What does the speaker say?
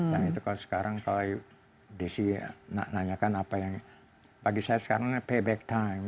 dan itu kalau sekarang kalau desi nanyakan apa yang bagi saya sekarang ini payback time